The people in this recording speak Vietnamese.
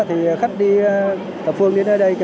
thì khách đi tập phương đến ở đây chụp bức ảnh